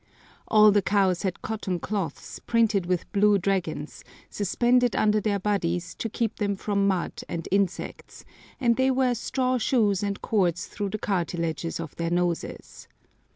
All the cows had cotton cloths, printed with blue dragons, suspended under their bodies to keep them from mud and insects, and they wear straw shoes and cords through the cartilages of their noses.